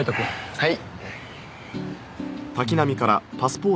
はい。